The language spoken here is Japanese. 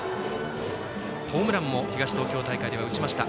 ホームランも東東京大会では打ちました。